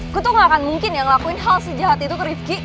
aku tuh gak akan mungkin yang ngelakuin hal sejahat itu ke rifki